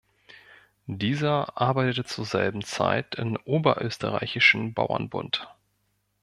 Dieser arbeitete zur selben Zeit im oberösterreichischen Bauernbund.